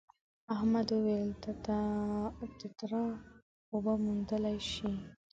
احمد وویل تتارا اوبه موندلی شي.